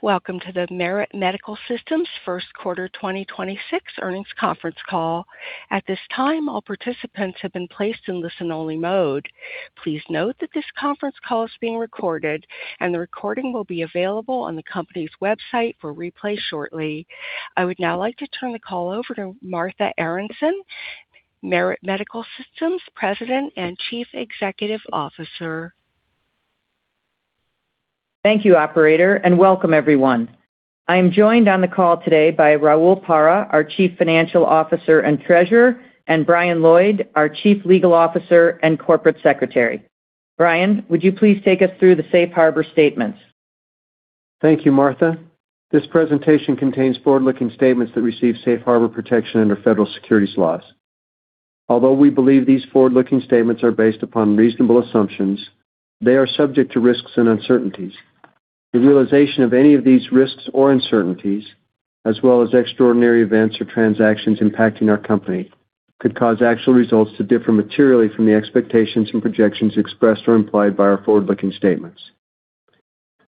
Welcome to the Merit Medical Systems First Quarter 2026 Earnings Conference Call. At this time, all participants have been placed in listen-only mode. Please note that this conference call is being recorded, and the recording will be available on the company's website for replay shortly. I would now like to turn the call over to Martha Aronson, Merit Medical Systems President and Chief Executive Officer. Thank you, operator, and welcome everyone. I am joined on the call today by Raul Parra, our Chief Financial Officer and Treasurer, and Brian Lloyd, our Chief Legal Officer and Corporate Secretary. Brian, would you please take us through the safe harbor statements? Thank you, Martha. This presentation contains forward-looking statements that receive safe harbor protection under federal securities laws. Although we believe these forward-looking statements are based upon reasonable assumptions, they are subject to risks and uncertainties. The realization of any of these risks or uncertainties, as well as extraordinary events or transactions impacting our company, could cause actual results to differ materially from the expectations and projections expressed or implied by our forward-looking statements.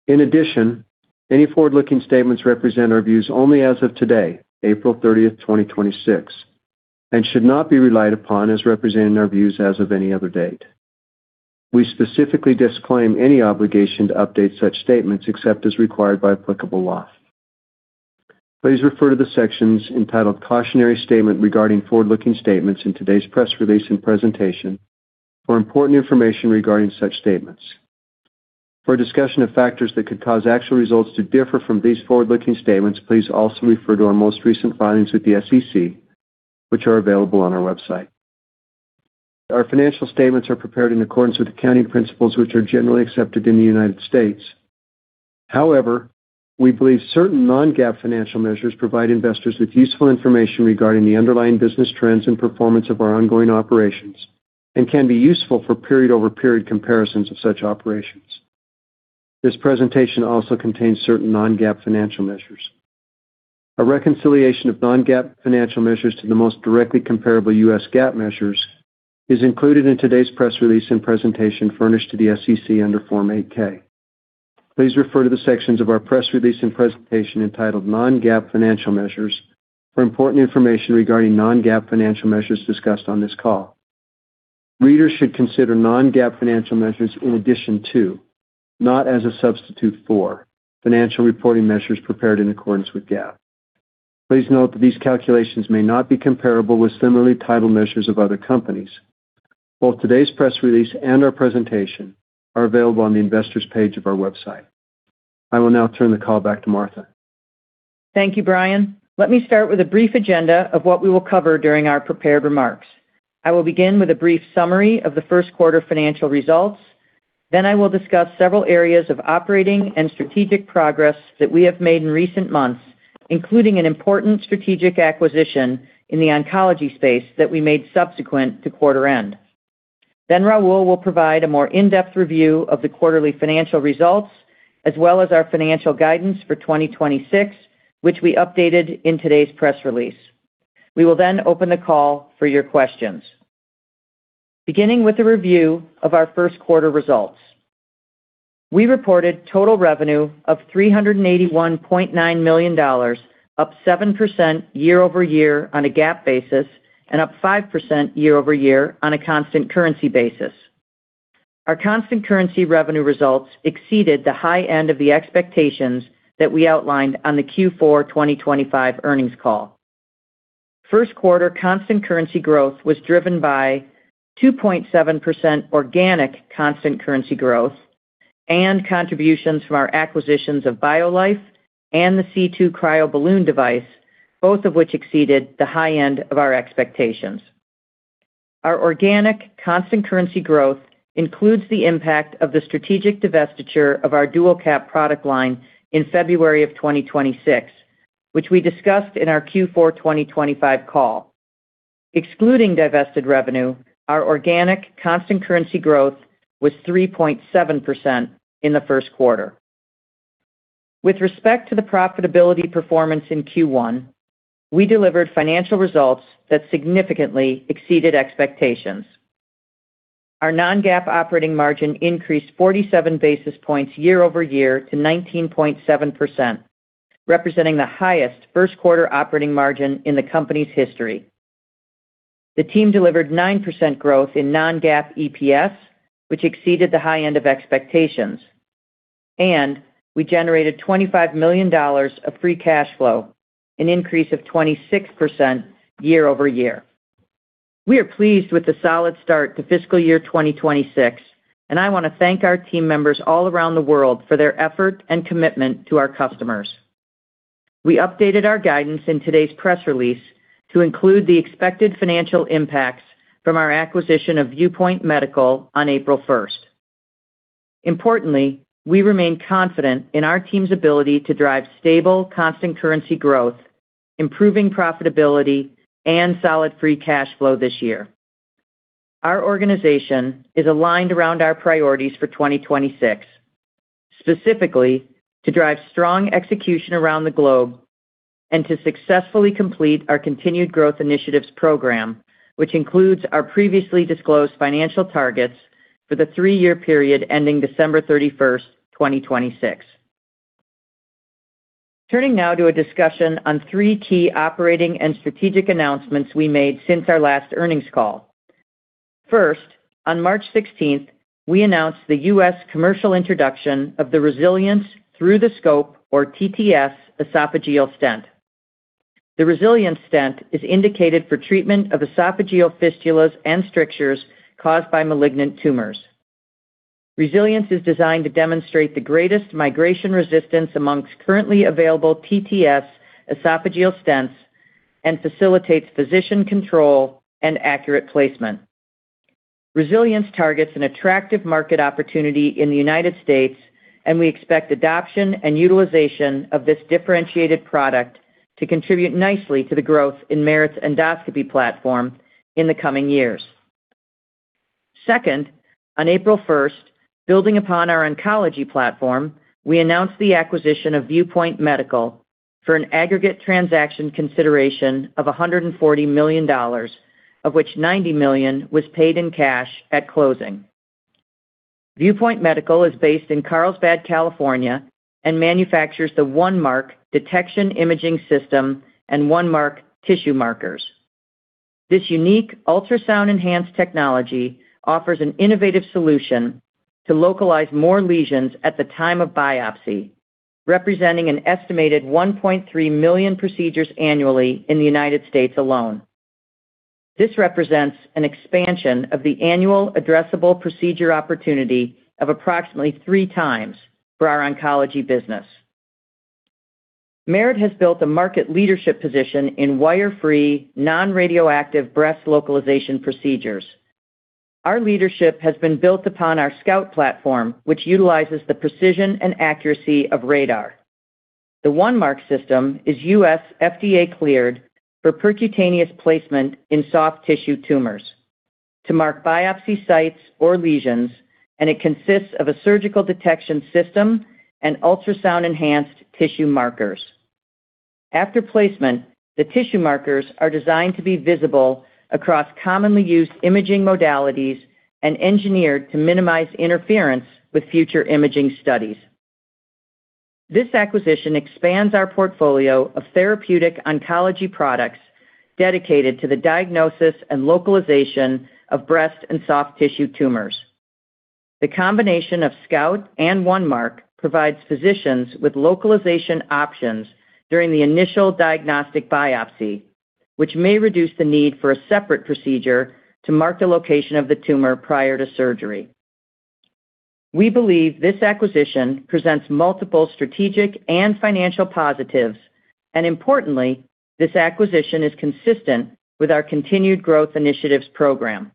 In addition, any forward-looking statements represent our views only as of today, April 30, 2026, and should not be relied upon as representing our views as of any other date. We specifically disclaim any obligation to update such statements except as required by applicable law. Please refer to the sections entitled Cautionary Statement Regarding Forward-Looking Statements in today's press release and presentation for important information regarding such statements. For a discussion of factors that could cause actual results to differ from these forward-looking statements, please also refer to our most recent filings with the SEC, which are available on our website. Our financial statements are prepared in accordance with the accounting principles, which are generally accepted in the United States. However, we believe certain non-GAAP financial measures provide investors with useful information regarding the underlying business trends and performance of our ongoing operations and can be useful for period-over-period comparisons of such operations. This presentation also contains certain non-GAAP financial measures. A reconciliation of non-GAAP financial measures to the most directly comparable U.S. GAAP measures is included in today's press release and presentation furnished to the SEC under Form 8-K. Please refer to the sections of our press release and presentation entitled Non-GAAP Financial Measures for important information regarding non-GAAP financial measures discussed on this call. Readers should consider non-GAAP financial measures in addition to, not as a substitute for, financial reporting measures prepared in accordance with GAAP. Please note that these calculations may not be comparable with similarly titled measures of other companies. Both today's press release and our presentation are available on the investors page of our website. I will now turn the call back to Martha. Thank you, Brian. Let me start with a brief agenda of what we will cover during our prepared remarks. I will begin with a brief summary of the first quarter financial results. I will discuss several areas of operating and strategic progress that we have made in recent months, including an important strategic acquisition in the oncology space that we made subsequent to quarter-end. Raul will provide a more in-depth review of the quarterly financial results as well as our financial guidance for 2026, which we updated in today's press release. We will then open the call for your questions. Beginning with a review of our first quarter results. We reported total revenue of $381.9 million, up 7% year-over-year on a GAAP basis and up 5% year-over-year on a constant currency basis. Our constant currency revenue results exceeded the high end of the expectations that we outlined on the Q4 2025 earnings call. First quarter constant currency growth was driven by 2.7% organic constant currency growth and contributions from our acquisitions of Biolife and the C2 CryoBalloon device, both of which exceeded the high end of our expectations. Our organic constant currency growth includes the impact of the strategic divestiture of our DualCap product line in February of 2026, which we discussed in our Q4 2025 call. Excluding divested revenue, our organic constant currency growth was 3.7% in the first quarter. With respect to the profitability performance in Q1, we delivered financial results that significantly exceeded expectations. Our non-GAAP operating margin increased 47 basis points year-over-year to 19.7%, representing the highest first quarter operating margin in the company's history. The team delivered 9% growth in non-GAAP EPS, which exceeded the high end of expectations, and we generated $25 million of free cash flow, an increase of 26% year-over-year. We are pleased with the solid start to fiscal year 2026, and I want to thank our team members all around the world for their effort and commitment to our customers. We updated our guidance in today's press release to include the expected financial impacts from our acquisition of View Point Medical on April 1. Importantly, we remain confident in our team's ability to drive stable constant currency growth, improving profitability, and solid free cash flow this year. Our organization is aligned around our priorities for 2026, specifically to drive strong execution around the globe. To successfully complete our continued growth initiatives program, which includes our previously disclosed financial targets for the three-year period ending December 31st, 2026. Turning now to a discussion on three key operating and strategic announcements we made since our last earnings call. First, on March 16th, we announced the U.S. commercial introduction of the Resilience Through-the-Scope, or TTS esophageal stent. The Resilience stent is indicated for treatment of esophageal fistulas and strictures caused by malignant tumors. Resilience is designed to demonstrate the greatest migration resistance amongst currently available TTS esophageal stents and facilitates physician control and accurate placement. Resilience targets an attractive market opportunity in the United States, and we expect adoption and utilization of this differentiated product to contribute nicely to the growth in Merit's endoscopy platform in the coming years. Second, on April 1st, building upon our oncology platform, we announced the acquisition of View Point Medical for an aggregate transaction consideration of $140 million, of which $90 million was paid in cash at closing. View Point Medical is based in Carlsbad, California, and manufactures the OneMark detection imaging system and OneMark tissue markers. This unique ultrasound-enhanced technology offers an innovative solution to localize more lesions at the time of biopsy, representing an estimated 1.3 million procedures annually in the United States alone. This represents an expansion of the annual addressable procedure opportunity of approximately three times for our oncology business. Merit has built a market leadership position in wire-free, non-radioactive breast localization procedures. Our leadership has been built upon our SCOUT platform, which utilizes the precision and accuracy of radar. The OneMark system is US FDA cleared for percutaneous placement in soft tissue tumors to mark biopsy sites or lesions. It consists of a surgical detection system and ultrasound-enhanced tissue markers. After placement, the tissue markers are designed to be visible across commonly used imaging modalities and engineered to minimize interference with future imaging studies. This acquisition expands our portfolio of therapeutic oncology products dedicated to the diagnosis and localization of breast and soft tissue tumors. The combination of SCOUT and OneMark provides physicians with localization options during the initial diagnostic biopsy, which may reduce the need for a separate procedure to mark the location of the tumor prior to surgery. We believe this acquisition presents multiple strategic and financial positives. Importantly, this acquisition is consistent with our continued growth initiatives program.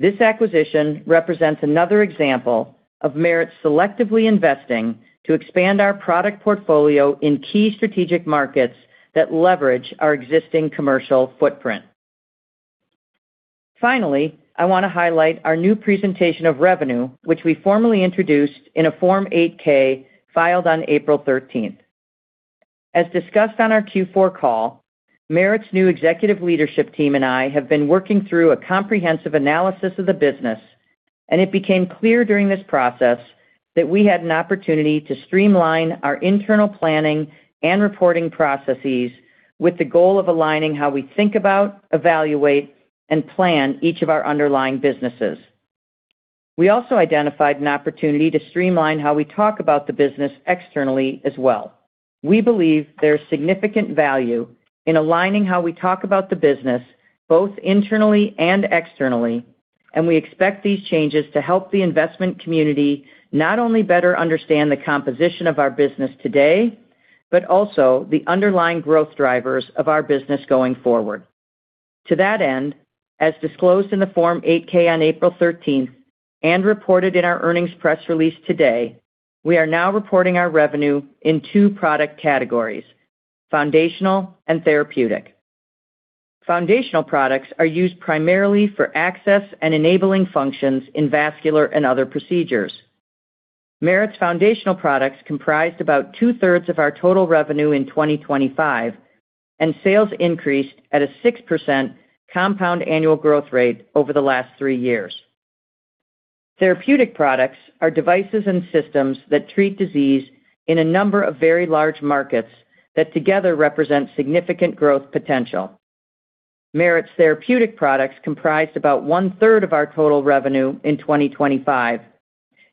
This acquisition represents another example of Merit selectively investing to expand our product portfolio in key strategic markets that leverage our existing commercial footprint. I want to highlight our new presentation of revenue, which we formally introduced in a Form 8-K filed on April 13th. As discussed on our Q4 call, Merit's new executive leadership team and I have been working through a comprehensive analysis of the business. It became clear during this process that we had an opportunity to streamline our internal planning and reporting processes with the goal of aligning how we think about, evaluate, and plan each of our underlying businesses. We also identified an opportunity to streamline how we talk about the business externally as well. We believe there's significant value in aligning how we talk about the business both internally and externally, and we expect these changes to help the investment community not only better understand the composition of our business today, but also the underlying growth drivers of our business going forward. To that end, as disclosed in the Form 8-K on April 13 and reported in our earnings press release today, we are now reporting our revenue in two product categories, foundational and therapeutic. Foundational products are used primarily for access and enabling functions in vascular and other procedures. Merit's foundational products comprised about two-thirds of our total revenue in 2025, and sales increased at a 6% compound annual growth rate over the last three years. Therapeutic products are devices and systems that treat disease in a number of very large markets that together represent significant growth potential. Merit's therapeutic products comprised about one-third of our total revenue in 2025,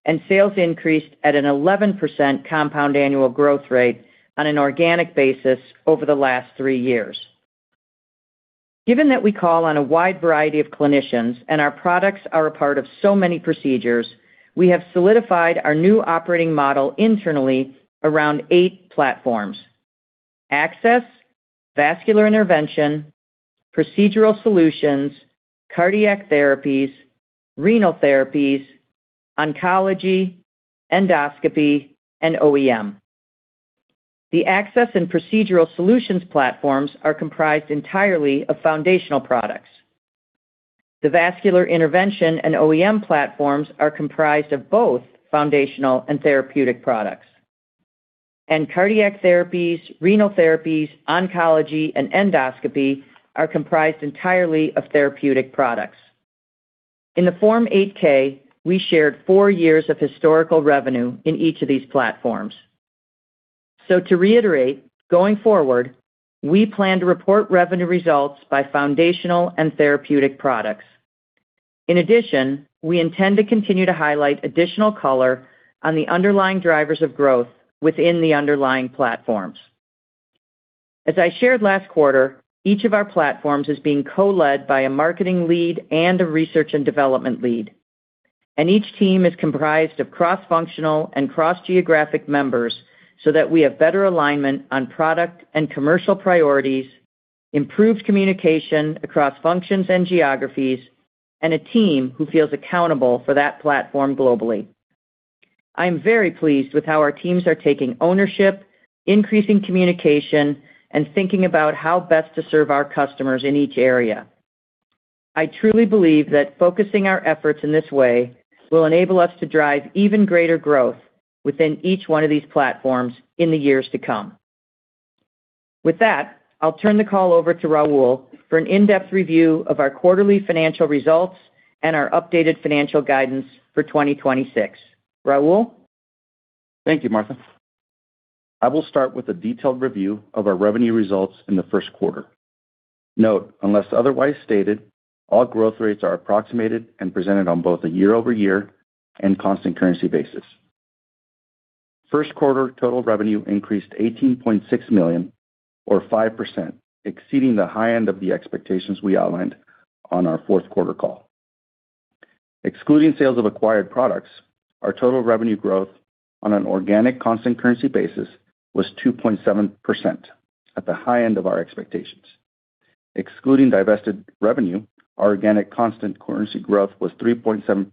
and sales increased at an 11% compound annual growth rate on an organic basis over the last three years. Given that we call on a wide variety of clinicians and our products are a part of so many procedures, we have solidified our new operating model internally around eight platforms: access, vascular intervention, procedural solutions, cardiac therapies, renal therapies, oncology, endoscopy, and OEM. The access and procedural solutions platforms are comprised entirely of foundational products. The vascular intervention and OEM platforms are comprised of both foundational and therapeutic products. Cardiac therapies, renal therapies, oncology, and endoscopy are comprised entirely of therapeutic products. In the Form 8-K, we shared four years of historical revenue in each of these platforms. To reiterate, going forward, we plan to report revenue results by foundational and therapeutic products. In addition, we intend to continue to highlight additional color on the underlying drivers of growth within the underlying platforms. As I shared last quarter, each of our platforms is being co-led by a marketing lead and a research and development lead. Each team is comprised of cross-functional and cross-geographic members so that we have better alignment on product and commercial priorities, improved communication across functions and geographies, and a team who feels accountable for that platform globally. I am very pleased with how our teams are taking ownership, increasing communication, and thinking about how best to serve our customers in each area. I truly believe that focusing our efforts in this way will enable us to drive even greater growth within each one of these platforms in the years to come. With that, I'll turn the call over to Raul for an in-depth review of our quarterly financial results and our updated financial guidance for 2026. Raul? Thank you, Martha. I will start with a detailed review of our revenue results in the first quarter. Note, unless otherwise stated, all growth rates are approximated and presented on both a year-over-year and constant currency basis. First quarter total revenue increased $18.6 million, or 5%, exceeding the high-end of the expectations we outlined on our fourth quarter call. Excluding sales of acquired products, our total revenue growth on an organic constant currency basis was 2.7% at the high-end of our expectations. Excluding divested revenue, our organic constant currency growth was 3.7%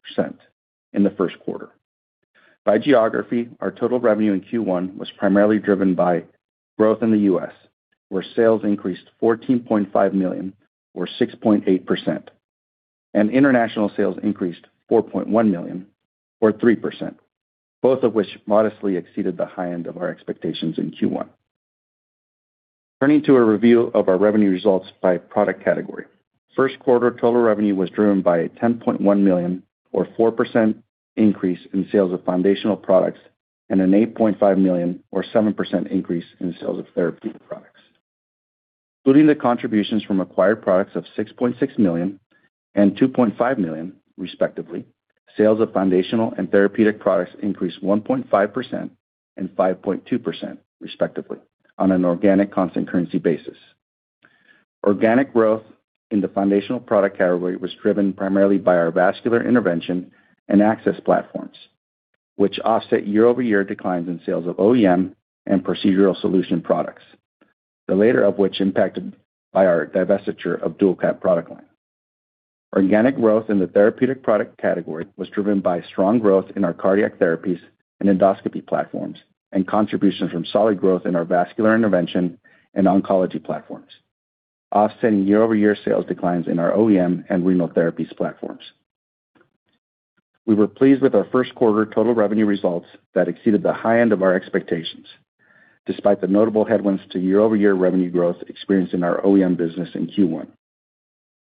in the first quarter. By geography, our total revenue in Q1 was primarily driven by growth in the U.S., where sales increased $14.5 million, or 6.8%, and international sales increased $4.1 million, or 3%, both of which modestly exceeded the high end of our expectations in Q1. Turning to a review of our revenue results by product category. First quarter total revenue was driven by a $10.1 million, or 4%, increase in sales of foundational products and an $8.5 million, or 7%, increase in sales of therapeutic products. Including the contributions from acquired products of $6.6 million and $2.5 million, respectively, sales of foundational and therapeutic products increased 1.5% and 5.2%, respectively, on an organic constant currency basis. Organic growth in the foundational product category was driven primarily by our vascular intervention and access platforms, which offset year-over-year declines in sales of OEM and procedural solution products, the latter of which impacted by our divestiture of DualCap product line. Organic growth in the therapeutic product category was driven by strong growth in our cardiac therapies and endoscopy platforms and contributions from solid growth in our vascular intervention and oncology platforms, offsetting year-over-year sales declines in our OEM and renal therapies platforms. We were pleased with our first quarter total revenue results that exceeded the high end of our expectations, despite the notable headwinds to year-over-year revenue growth experienced in our OEM business in Q1.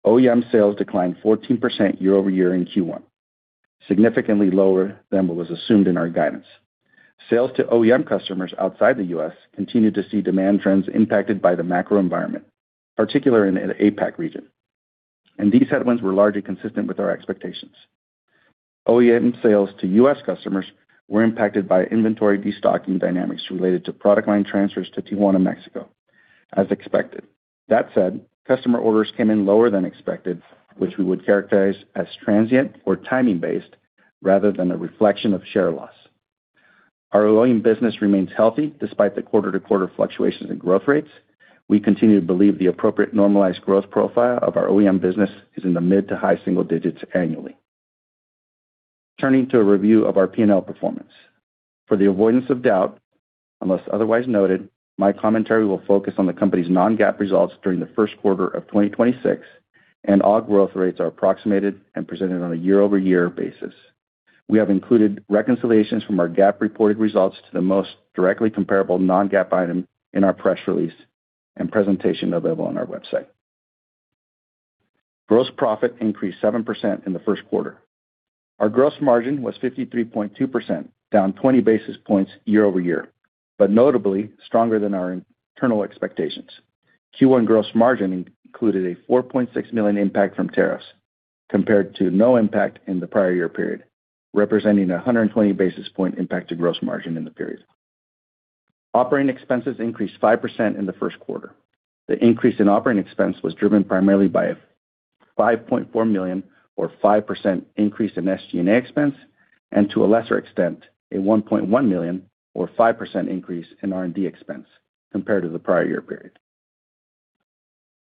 OEM sales declined 14% year-over-year in Q1, significantly lower than what was assumed in our guidance. Sales to OEM customers outside the U.S. continued to see demand trends impacted by the macro environment, particularly in the APAC region and these headwinds were largely consistent with our expectations. OEM sales to U.S. customers were impacted by inventory destocking dynamics related to product line transfers to Tijuana, Mexico, as expected. That said, customer orders came in lower than expected, which we would characterize as transient or timing-based rather than a reflection of share loss. Our OEM business remains healthy despite the quarter-to-quarter fluctuations in growth rates. We continue to believe the appropriate normalized growth profile of our OEM business is in the mid to high single digits annually. Turning to a review of our P&L performance. For the avoidance of doubt, unless otherwise noted, my commentary will focus on the company's non-GAAP results during the first quarter of 2026, and all growth rates are approximated and presented on a year-over-year basis. We have included reconciliations from our GAAP reported results to the most directly comparable non-GAAP item in our press release and presentation available on our website. Gross profit increased 7% in the first quarter. Our gross margin was 53.2%, down 20 basis points year-over-year, but notably stronger than our internal expectations. Q1 gross margin included a $4.6 million impact from tariffs compared to no impact in the prior year period, representing a 120 basis point impact to gross margin in the period. Operating expenses increased 5% in the first quarter. The increase in operating expense was driven primarily by a $5.4 million or 5% increase in SG&A expense, and to a lesser extent, a $1.1 million or 5% increase in R&D expense compared to the prior year period.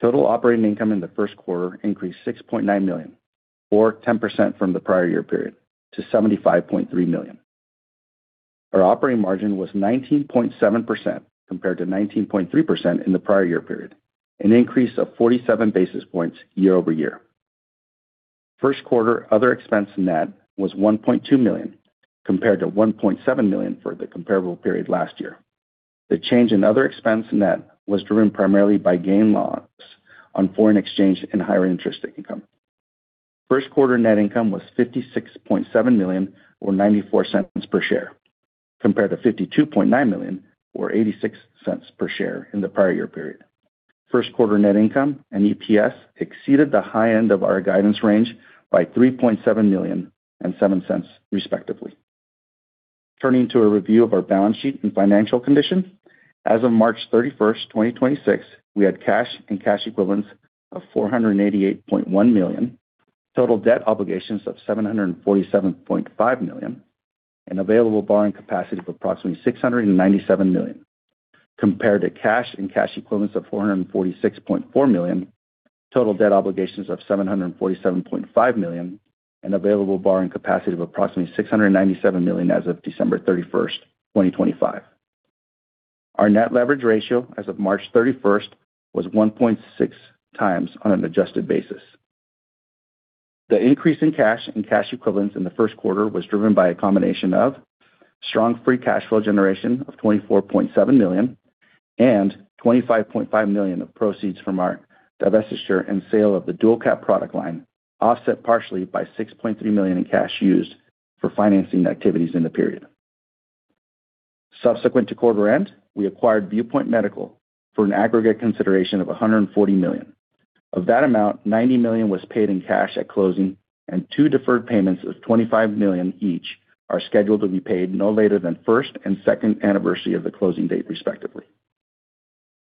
Total operating income in the first quarter increased $6.9 million or 10% from the prior year period to $75.3 million. Our operating margin was 19.7% compared to 19.3% in the prior year period, an increase of 47 basis points year-over-year. First quarter other expense net was $1.2 million compared to $1.7 million for the comparable period last year. The change in other expense net was driven primarily by gain loss on foreign exchange and higher interest income. First quarter net income was $56.7 million or $0.94 per share compared to $52.9 million or $0.86 per share in the prior year period. First quarter net income and EPS exceeded the high end of our guidance range by $3.7 million and $0.07, respectively. Turning to a review of our balance sheet and financial condition. As of March 31, 2026, we had cash and cash equivalents of $488.1 million, total debt obligations of $747.5 million, and available borrowing capacity of approximately $697 million. Compared to cash and cash equivalents of $446.4 million, total debt obligations of $747.5 million, and available borrowing capacity of approximately $697 million as of December 31, 2025. Our net leverage ratio as of March 31st was 1.6 times on an adjusted basis. The increase in cash and cash equivalents in the first quarter was driven by a combination of strong free cash flow generation of $24.7 million and $25.5 million of proceeds from our divestiture and sale of the DualCap product line, offset partially by $6.3 million in cash used for financing activities in the period. Subsequent to quarter-end, we acquired View Point Medical for an aggregate consideration of $140 million. Of that amount, $90 million was paid in cash at closing and two deferred payments of $25 million each are scheduled to be paid no later than 1st and 2nd anniversary of the closing date, respectively.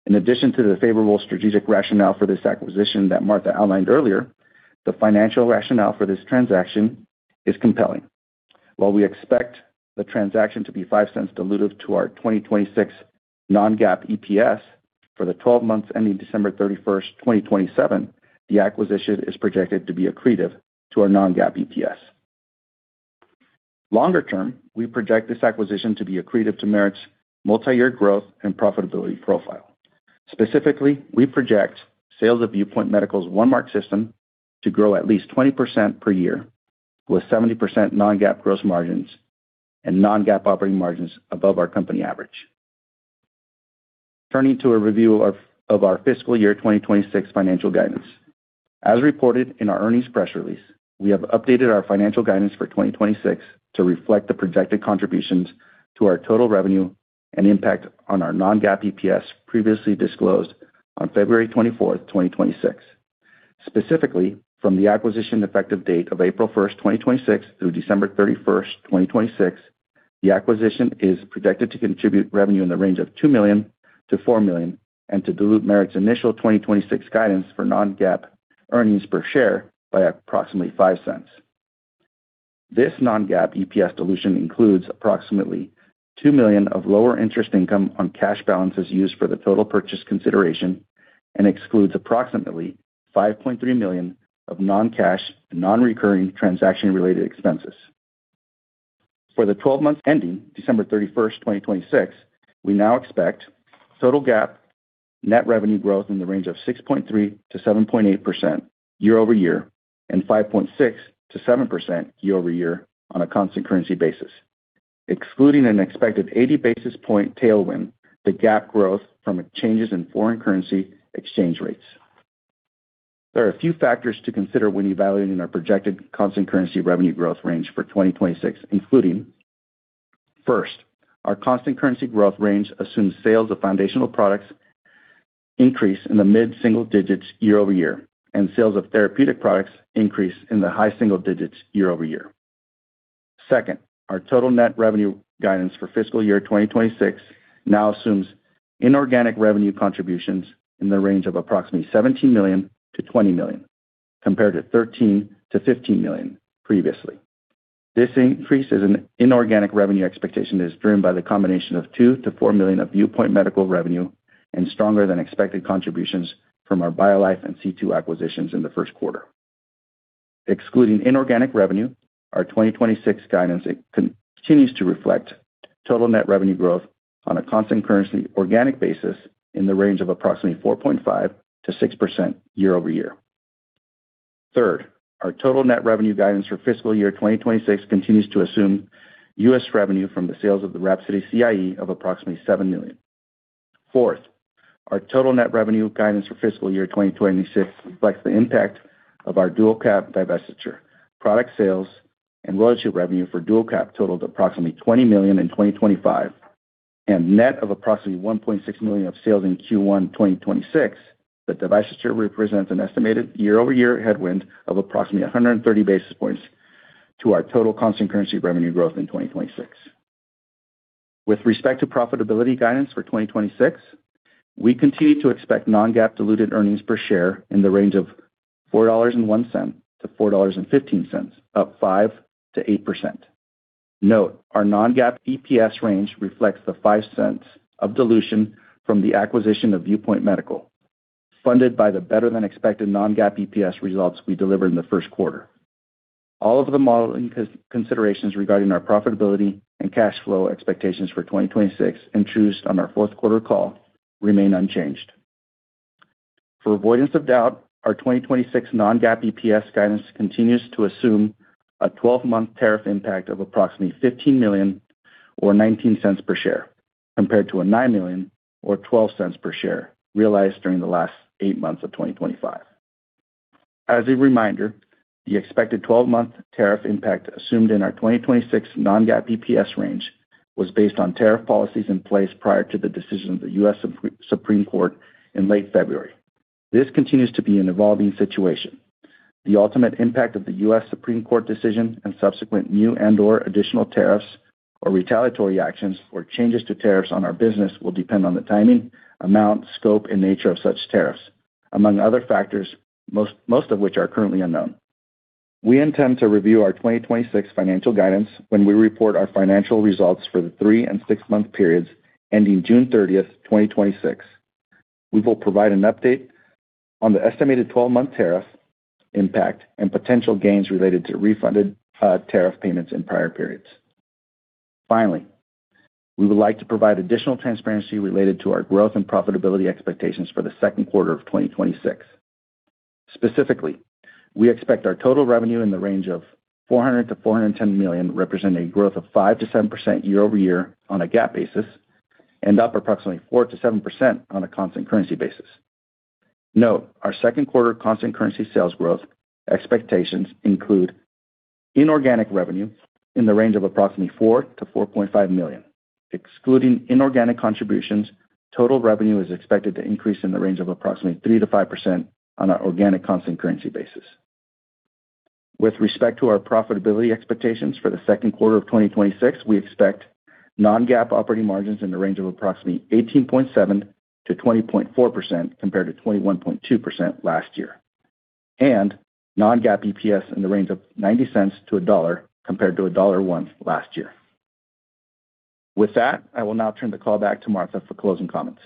In addition to the favorable strategic rationale for this acquisition that Martha outlined earlier, the financial rationale for this transaction is compelling. While we expect the transaction to be $0.05 dilutive to our 2026 non-GAAP EPS for the 12 months ending December 31, 2027, the acquisition is projected to be accretive to our non-GAAP EPS. Longer term, we project this acquisition to be accretive to Merit's multi-year growth and profitability profile. Specifically, we project sales of View Point Medical's OneMark system to grow at least 20% per year, with 70% non-GAAP gross margins and non-GAAP operating margins above our company average. Turning to a review of our fiscal year 2026 financial guidance. As reported in our earnings press release, we have updated our financial guidance for 2026 to reflect the projected contributions to our total revenue and impact on our non-GAAP EPS previously disclosed on February 24, 2026. Specifically, from the acquisition effective date of April 1, 2026 through December 31, 2026, the acquisition is projected to contribute revenue in the range of $2 million-$4 million and to dilute Merit's initial 2026 guidance for non-GAAP earnings per share by approximately $0.05. This non-GAAP EPS dilution includes approximately $2 million of lower interest income on cash balances used for the total purchase consideration and excludes approximately $5.3 million of non-cash and non-recurring transaction-related expenses. For the 12 months ending December 31st, 2026, we now expect total GAAP net revenue growth in the range of 6.3%-7.8% year-over-year and 5.6%-7% year-over-year on a constant currency basis, excluding an expected 80 basis point tailwind, the GAAP growth from changes in foreign currency exchange rates. There are a few factors to consider when evaluating our projected constant currency revenue growth range for 2026, including, first, our constant currency growth range assumes sales of foundational products increase in the mid single digits year-over-year and sales of therapeutic products increase in the high single digits year-over-year. Second, our total net revenue guidance for fiscal year 2026 now assumes inorganic revenue contributions in the range of approximately $17 million-$20 million, compared to $13 million-$15 million previously. This increase is an inorganic revenue expectation that is driven by the combination of $2 million-$4 million of View Point Medical revenue and stronger than expected contributions from our Biolife and C2 acquisitions in the first quarter. Excluding inorganic revenue, our 2026 guidance continues to reflect total net revenue growth on a constant currency organic basis in the range of approximately 4.5%-6%, year-over-year. Third, our total net revenue guidance for fiscal year 2026 continues to assume U.S. revenue from the sales of the WRAPSODY CIE of approximately $7 million. Fourth, our total net revenue guidance for fiscal year 2026 reflects the impact of our DualCap divestiture. Product sales and royalty revenue for DualCap totaled approximately $20 million in 2025 and net of approximately $1.6 million of sales in Q1 2026. The divestiture represents an estimated year-over-year headwind of approximately 130 basis points to our total constant currency revenue growth in 2026. With respect to profitability guidance for 2026, we continue to expect non-GAAP diluted earnings per share in the range of $4.01-$4.15, up 5%-8%. Note, our non-GAAP EPS range reflects the $0.05 of dilution from the acquisition of Viewpoint Medical. Funded by the better-than-expected non-GAAP EPS results we delivered in the first quarter. All of the modeling considerations regarding our profitability and cash flow expectations for 2026 introduced on our fourth quarter call remain unchanged. For avoidance of doubt, our 2026 non-GAAP EPS guidance continues to assume a 12-month tariff impact of approximately $15 million or $0.19 per share, compared to a $9 million or $0.12 per share realized during the last eight months of 2025. As a reminder, the expected 12-month tariff impact assumed in our 2026 non-GAAP EPS range was based on tariff policies in place prior to the decision of the U.S. Supreme Court in late February. This continues to be an evolving situation. The ultimate impact of the U.S. Supreme Court decision and subsequent new and/or additional tariffs or retaliatory actions or changes to tariffs on our business will depend on the timing, amount, scope, and nature of such tariffs, most of which are currently unknown. We intend to review our 2026 financial guidance when we report our financial results for the three and six-month periods ending June 30th, 2026. We will provide an update on the estimated 12-month tariff impact and potential gains related to refunded tariff payments in prior periods. Finally, we would like to provide additional transparency related to our growth and profitability expectations for the second quarter of 2026. Specifically, we expect our total revenue in the range of $400 million-$410 million, representing a growth of 5%-7% year-over-year on a GAAP basis, and up approximately 4%-7% on a constant currency basis. Note, our second quarter constant currency sales growth expectations include inorganic revenue in the range of approximately $4 million-$4.5 million. Excluding inorganic contributions, total revenue is expected to increase in the range of approximately 3%-5% on an organic constant currency basis. With respect to our profitability expectations for the second quarter of 2026, we expect non-GAAP operating margins in the range of approximately 18.7%-20.4% compared to 21.2% last year. non-GAAP EPS in the range of $0.90-$1.00 compared to $1.01 last year. With that, I will now turn the call back to Martha Aronson for closing comments.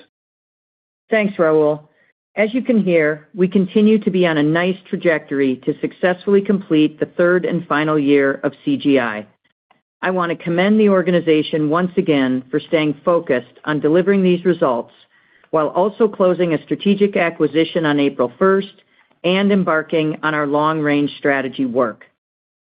Thanks, Raul. As you can hear, we continue to be on a nice trajectory to successfully complete the third and final year of CGI. I wanna commend the organization once again for staying focused on delivering these results while also closing a strategic acquisition on April 1st and embarking on our long-range strategy work.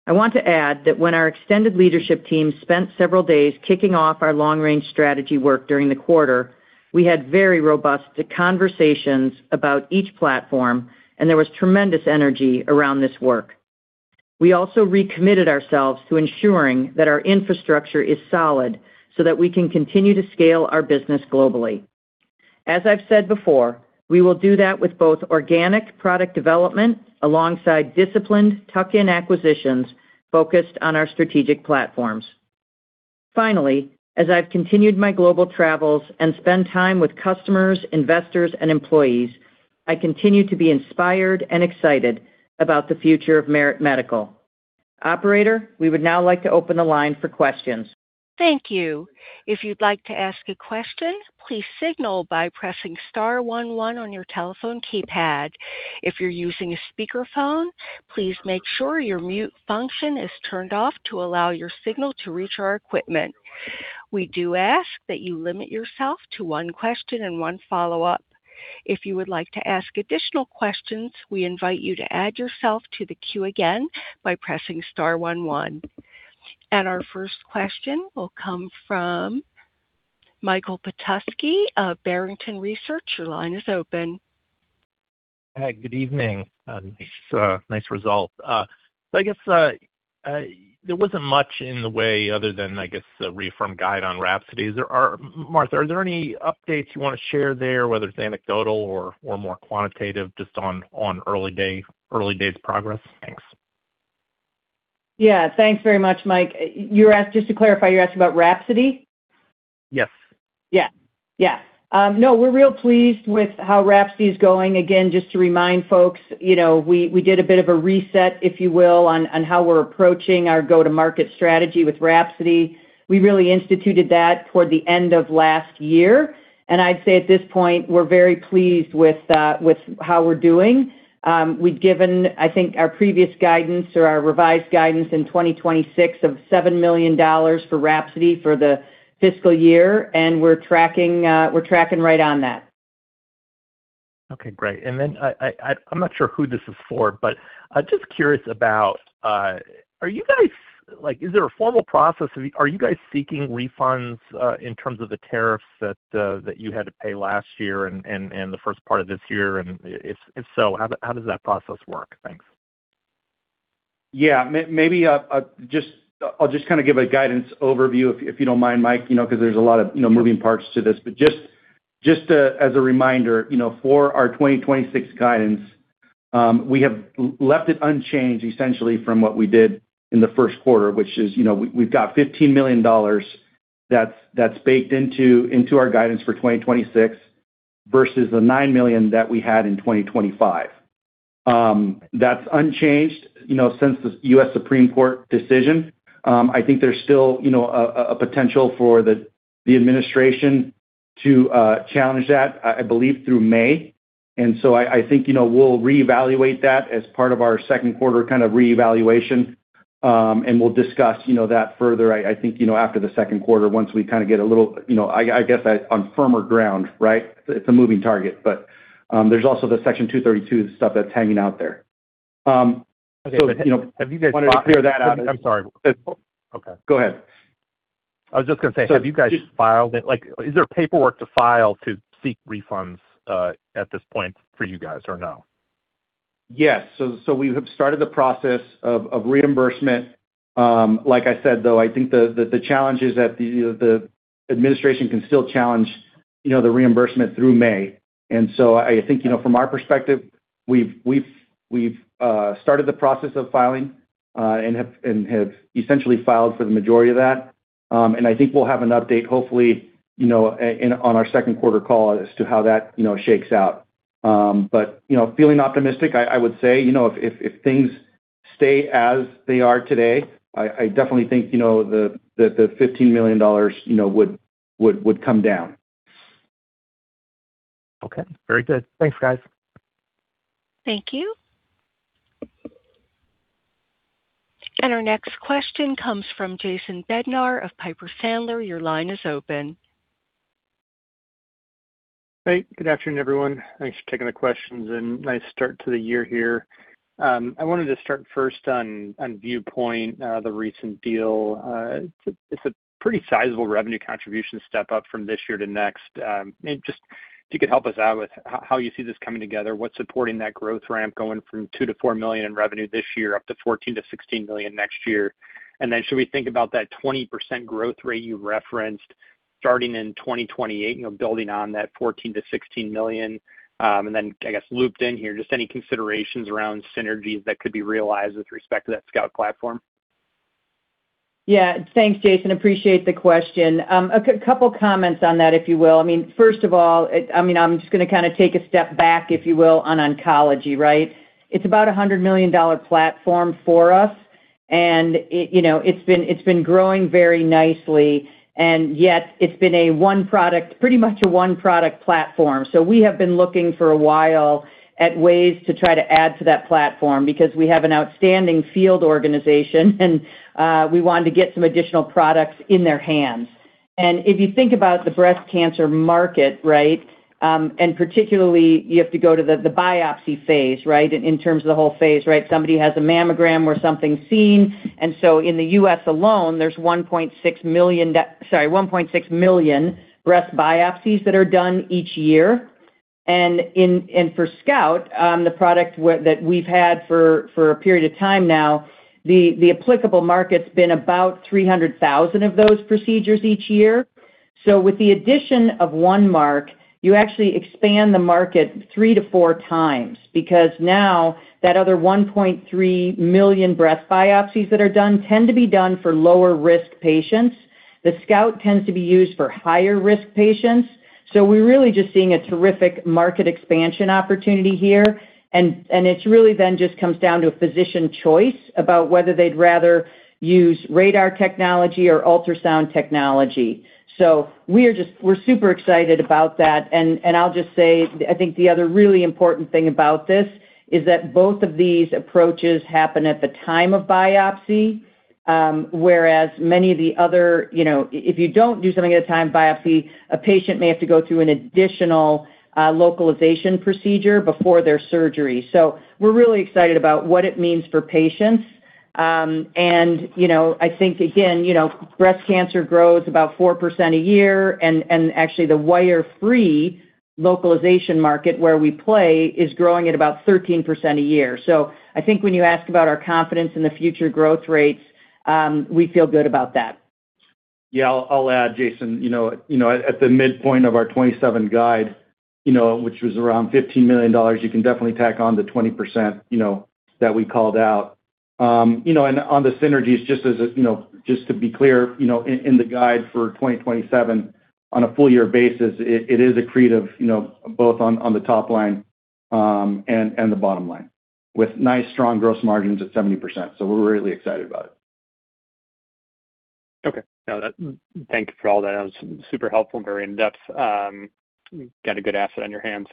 I want to add that when our extended leadership team spent several days kicking off our long-range strategy work during the quarter, we had very robust conversations about each platform, and there was tremendous energy around this work. We also recommitted ourselves to ensuring that our infrastructure is solid so that we can continue to scale our business globally. As I've said before, we will do that with both organic product development alongside disciplined tuck-in acquisitions focused on our strategic platforms. Finally, as I've continued my global travels and spend time with customers, investors, and employees, I continue to be inspired and excited about the future of Merit Medical. Operator, we would now like to open the line for questions. Thank you. If you'd like to ask a question, please signal by pressing star one one on your telephone keypad. If you're using a speakerphone, please make sure your mute function is turned off to allow your signal to reach our equipment. We do ask that you limit yourself to one question and one follow-up. If you would like to ask additional questions, we invite you to add yourself to the queue again by pressing star one one. Our first question will come from Michael Petusky of Barrington Research. Your line is open. Hi. Good evening. Nice result. I guess there wasn't much in the way other than, I guess, the reaffirmed guide on WRAPSODY. Is there, Martha, are there any updates you wanna share there, whether it's anecdotal or more quantitative, just on early days progress? Thanks. Yeah. Thanks very much, Mike. Just to clarify, you're asking about WRAPSODY? Yes. Yeah. Yeah. No, we're real pleased with how WRAPSODY is going. Again, just to remind folks, you know, we did a bit of a reset, if you will, on how we're approaching our go-to-market strategy with WRAPSODY. We really instituted that toward the end of last year. I'd say at this point, we're very pleased with how we're doing. We've given, I think, our previous guidance or our revised guidance in 2026 of $7 million for WRAPSODY for the fiscal year, and we're tracking, we're tracking right on that. Okay. Great. I'm not sure who this is for, but just curious about, is there a formal process? Are you guys seeking refunds in terms of the tariffs that you had to pay last year and the first part of this year? If so, how does that process work? Thanks. Yeah. Maybe, I'll just kind of give a guidance overview if you don't mind, Mike, you know, 'cause there's a lot of, you know, moving parts to this. As a reminder, you know, for our 2026 guidance, we have left it unchanged essentially from what we did in the first quarter, which is, you know, we've got $15 million that's baked into our guidance for 2026 versus the $9 million that we had in 2025. That's unchanged, you know, since the U.S. Supreme Court decision. I think there's still, you know, a potential for the administration to challenge that, I believe through May. I think, you know, we'll reevaluate that as part of our second quarter kind of reevaluation. And we'll discuss, you know, that further, I think, you know, after the second quarter once we kind of get a little, you know, I guess, on firmer ground, right? It's a moving target. There's also the Section 232 stuff that's hanging out there. You know. It's okay. Go ahead. I was just gonna say, have you guys filed it? Like, is there paperwork to file to seek refunds, at this point for you guys or no? Yes. We have started the process of reimbursement. Like I said, though, I think the challenge is that the administration can still challenge, you know, the reimbursement through May. I think, you know, from our perspective, we've started the process of filing and have essentially filed for the majority of that. I think we'll have an update, hopefully, you know, on our second quarter call as to how that, you know, shakes out. You know, feeling optimistic, I would say. You know, if things stay as they are today, I definitely think, you know, the $15 million, you know, would come down. Okay. Very good. Thanks, guys. Thank you. Our next question comes from Jason Bednar of Piper Sandler. Your line is open. Hey, good afternoon, everyone. Thanks for taking the questions and nice start to the year here. I wanted to start first on Viewpoint, the recent deal. It's a pretty sizable revenue contribution step up from this year to next. Maybe just if you could help us out with how you see this coming together, what's supporting that growth ramp going from $2 million-$4 million in revenue this year up to $14 million-$16 million next year. Should we think about that 20% growth rate you referenced starting in 2028, you know, building on that $14 million-$16 million? I guess looped in here, just any considerations around synergies that could be realized with respect to that SCOUT platform. Yeah. Thanks, Jason. Appreciate the question. A couple comments on that, if you will. I mean, first of all, I mean, I'm just gonna kinda take a step back, if you will, on oncology, right? It's about a $100 million platform for us, and it, you know, it's been growing very nicely, and yet it's been a one product, pretty much a one product platform. We have been looking for a while at ways to try to add to that platform because we have an outstanding field organization and we wanted to get some additional products in their hands. If you think about the breast cancer market, right, and particularly you have to go to the biopsy phase, right, in terms of the whole phase, right? Somebody has a mammogram where something's seen. In the U.S. alone, there's 1.6 million breast biopsies that are done each year. For SCOUT, the product that we've had for a period of time now, the applicable market's been about 300,000 of those procedures each year. With the addition of OneMark, you actually expand the market 3-4 times because now that other 1.3 million breast biopsies that are done tend to be done for lower risk patients. The SCOUT tends to be used for higher risk patients. We're really just seeing a terrific market expansion opportunity here and it's really then just comes down to a physician choice about whether they'd rather use radar technology or ultrasound technology. We are just, we're super excited about that. I'll just say, I think the other really important thing about this is that both of these approaches happen at the time of biopsy, whereas many of the other, you know, if you don't do something at a time of biopsy, a patient may have to go through an additional localization procedure before their surgery. We're really excited about what it means for patients. You know, I think again, you know, breast cancer grows about 4% a year, and actually the wire-free localization market where we play is growing at about 13% a year. I think when you ask about our confidence in the future growth rates, we feel good about that. I'll add, Jason, you know, at the midpoint of our 2027 guide, you know, which was around $15 million, you can definitely tack on the 20%, you know, that we called out. On the synergies, just as a just to be clear, you know, in the guide for 2027, on a full year basis, it is accretive, you know, both on the top line and the bottom line with nice strong gross margins at 70%. We're really excited about it. Okay. No, thank you for all that. That was super helpful and very in-depth. Got a good asset on your hands.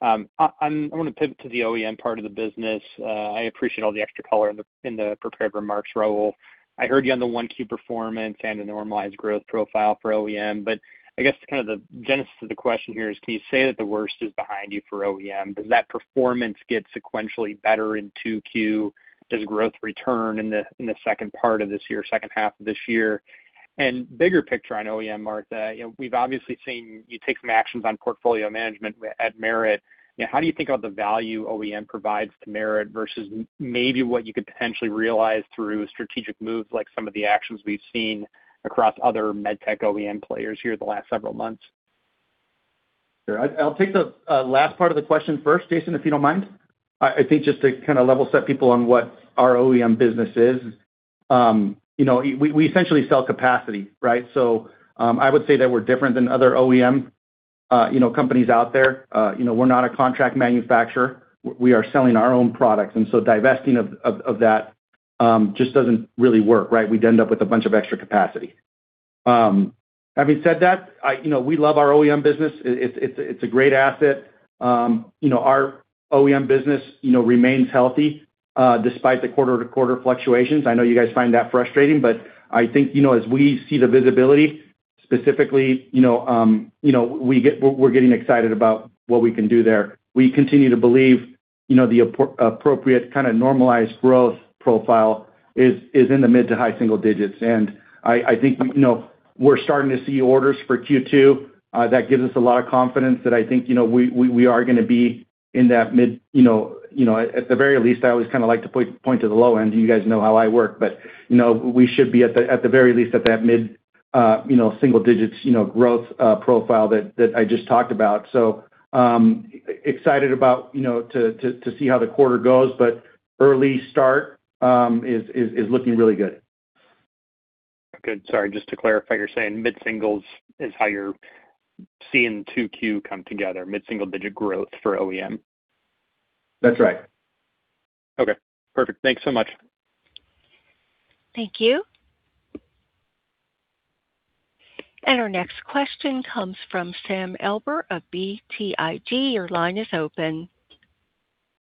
I wanna pivot to the OEM part of the business. I appreciate all the extra color in the prepared remarks, Raul. I heard you on the one key performance and the normalized growth profile for OEM, I guess kind of the genesis of the question here is, can you say that the worst is behind you for OEM? Does that performance get sequentially better in 2Q? Does growth return in the second part of this year, second half of this year? Bigger picture on OEM, Martha, you know, we've obviously seen you take some actions on portfolio management at Merit. You know, how do you think about the value OEM provides to Merit versus maybe what you could potentially realize through strategic moves like some of the actions we've seen across other med-tech OEM players here the last several months? Sure. I'll take the last part of the question first, Jason, if you don't mind. I think just to kind of level set people on what our OEM business is, you know, we essentially sell capacity, right? I would say that we're different than other OEM, you know, companies out there, you know, we're not a contract manufacturer. We are selling our own products. Divesting of that just doesn't really work, right? We'd end up with a bunch of extra capacity. Having said that, you know, we love our OEM business. It's a great asset. Our OEM business, you know, remains healthy, despite the quarter-to-quarter fluctuations. I know you guys find that frustrating. I think, you know, as we see the visibility, specifically, you know, we're getting excited about what we can do there. We continue to believe, you know, the appropriate kind of normalized growth profile is in the mid to high single-digits. I think, you know, we're starting to see orders for Q2. That gives us a lot of confidence that I think, you know, we are gonna be in that mid, at the very least, I always kind of like to point to the low end. You guys know how I work. You know, we should be at the very least at that mid single digits growth profile that I just talked about. Excited about, you know, to see how the quarter goes, but early start is looking really good. Good. Sorry, just to clarify, you're saying mid-singles is how you're seeing 2Q come together, mid-single digit growth for OEM? That's right. Okay, perfect. Thanks so much. Thank you. Our next question comes from Sam Eiber of BTIG. Your line is open.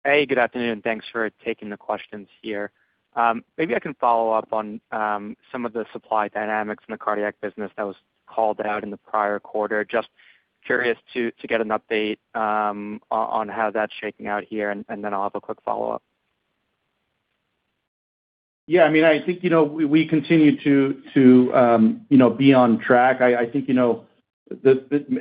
Hey, good afternoon. Thanks for taking the questions here. Maybe I can follow up on some of the supply dynamics in the cardiac business that was called out in the prior quarter. Just curious to get an update on how that's shaking out here, and then I'll have a quick follow-up. Yeah, I mean, I think, you know, we continue to, you know, be on track. I think, you know,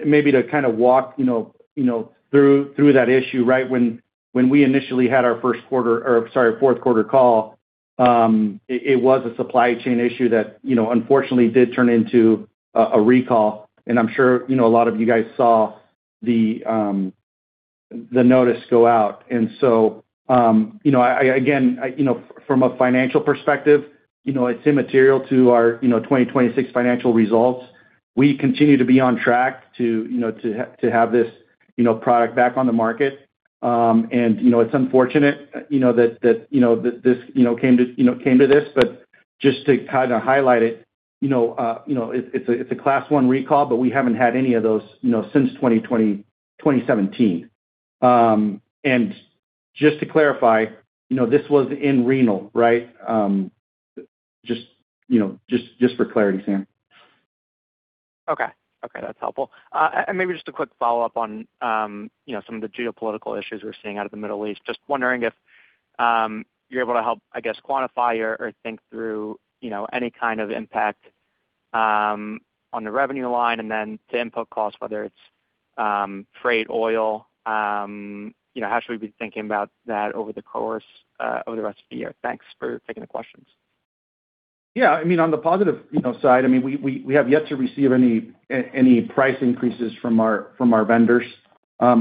maybe to kind of walk, you know, through that issue, right? When we initially had our first quarter or, sorry, fourth quarter call, it was a supply chain issue that, you know, unfortunately did turn into a recall. I'm sure, you know, a lot of you guys saw the notice go out. You know, again, you know, from a financial perspective, you know, it's immaterial to our, you know, 2026 financial results. We continue to be on track to, you know, to have this, you know, product back on the market. It's unfortunate, you know, that, you know, this, you know, came to this. just to kind of highlight it, you know, it's a, it's a class one recall, but we haven't had any of those, you know, since 2017. just to clarify, you know, this was in renal, right? just for clarity, Sam. Okay, that's helpful. Maybe just a quick follow-up on, you know, some of the geopolitical issues we're seeing out of the Middle East. Just wondering if you're able to help, I guess, quantify or think through, you know, any kind of impact on the revenue line and then the input costs, whether it's freight oil, you know, how should we be thinking about that over the course over the rest of the year? Thanks for taking the questions. Yeah. I mean, on the positive, you know, side, I mean, we have yet to receive any price increases from our vendors.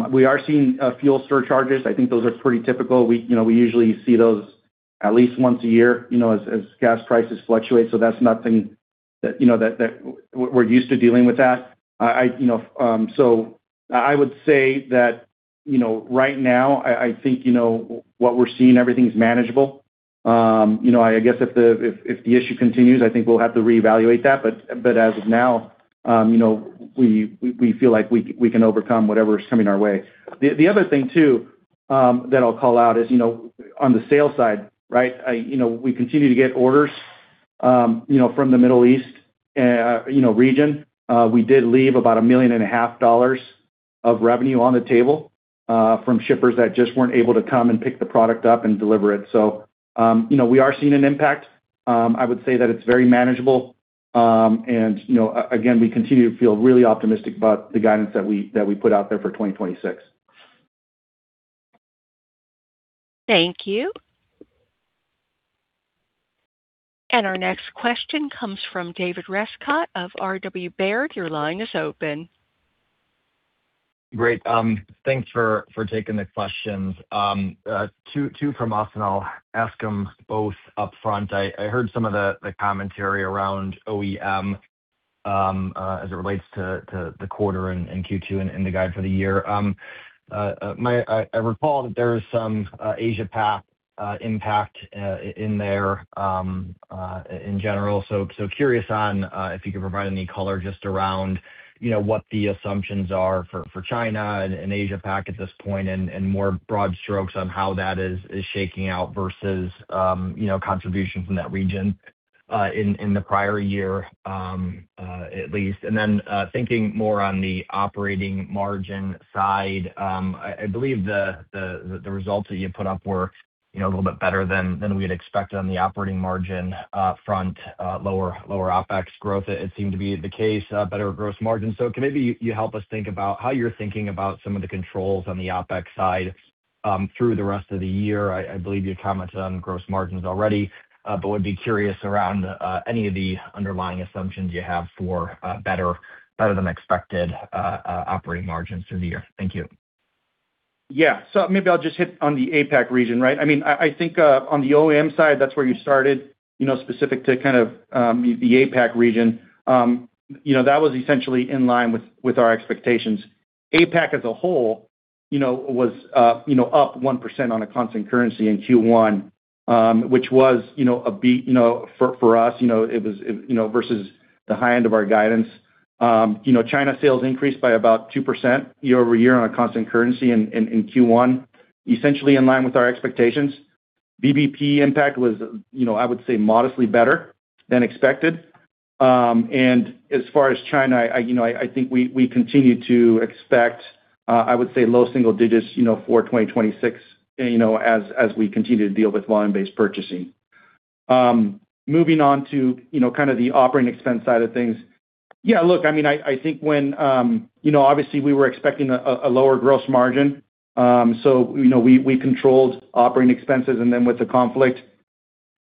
We are seeing fuel surcharges. I think those are pretty typical. We, you know, we usually see those at least once a year, you know, as gas prices fluctuate, so that's nothing that, you know, we're used to dealing with that. You know, I would say that, you know, right now what we're seeing, everything's manageable. You know, I guess if the issue continues, I think we'll have to reevaluate that. As of now, you know, we feel like we can overcome whatever is coming our way. The other thing too, that I'll call out is, you know, on the sales side, right, I, you know, we continue to get orders, you know, from the Middle East, you know, region. We did leave about $1.5 million of revenue on the table, from shippers that just weren't able to come and pick the product up and deliver it. You know, we are seeing an impact. I would say that it's very manageable. You know, again, we continue to feel really optimistic about the guidance that we, that we put out there for 2026. Thank you. Our next question comes from David Rescott of R.W. Baird. Your line is open. Great. Thanks for taking the questions. Two from us, I'll ask them both upfront. I heard some of the commentary around OEM as it relates to the quarter and Q2 and the guide for the year. I recall that there is some Asia Pac impact in there in general. Curious on if you could provide any color just around, you know, what the assumptions are for China and Asia Pac at this point, and more broad strokes on how that is shaking out versus, you know, contribution from that region in the prior year at least. Thinking more on the operating margin side, I believe the results that you put up were, you know, a little bit better than we had expected on the operating margin front, lower OpEx growth. It seemed to be the case, better gross margin. Can maybe you help us think about how you're thinking about some of the controls on the OpEx side through the rest of the year? I believe you commented on gross margins already, but would be curious around any of the underlying assumptions you have for better than expected operating margins through the year. Thank you. Yeah. Maybe I'll just hit on the APAC region, right? I mean, I think, on the OEM side, that's where you started, you know, specific to kind of the APAC region. You know, that was essentially in line with our expectations. APAC as a whole, you know, was, you know, up 1% on a constant currency in Q1, which was, you know, for us, you know, it was, you know, versus the high end of our guidance. You know, China sales increased by about 2% year-over-year on a constant currency in Q1, essentially in line with our expectations. VBP impact was, you know, I would say modestly better than expected. As far as China, I think we continue to expect, I would say low single digits, you know, for 2026, you know, as we continue to deal with volume-based purchasing. Moving on to, you know, kind of the operating expense side of things. Look, I mean, I think when, you know, obviously we were expecting a lower gross margin. You know, we controlled operating expenses and then with the conflict.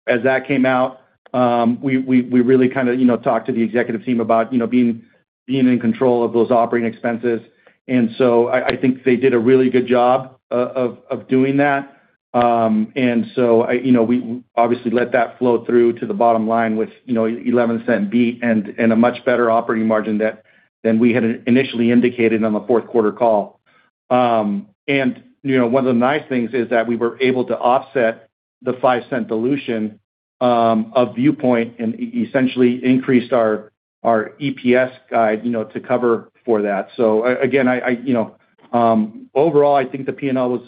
As that came out, we really kind of, you know, talked to the executive team about, you know, being in control of those operating expenses. I think they did a really good job of doing that. you know, we obviously let that flow through to the bottom line with, you know, $0.11 beat and a much better operating margin than we had initially indicated on the fourth quarter call. you know, one of the nice things is that we were able to offset the $0.05 dilution of View Point and essentially increased our EPS guide, you know, to cover for that. Again, I, you know, overall, I think the P&L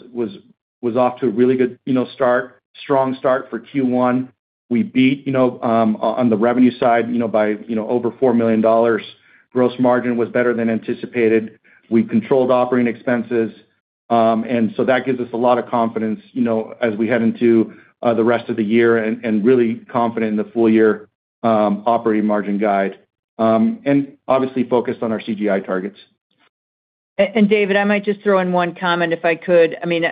was off to a really good, you know, start, strong start for Q1. We beat, you know, on the revenue side, you know, by, you know, over $4 million. Gross margin was better than anticipated. We controlled operating expenses. That gives us a lot of confidence, you know, as we head into the rest of the year and really confident in the full year operating margin guide, and obviously focused on our CGI targets. David, I might just throw in one comment if I could. I mean,